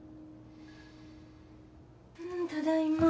ただいま。